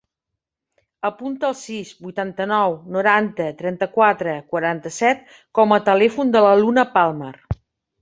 Apunta el sis, vuitanta-nou, noranta, trenta-quatre, quaranta-set com a telèfon de la Luna Palmer.